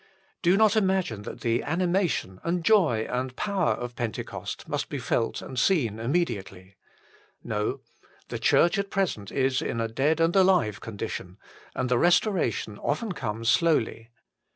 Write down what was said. Do not imagine that the animation, and joy, and power of Pentecost must be felt and seen immediately. No : the Church at present is in a dead and alive con dition, and the restoration often comes slowly.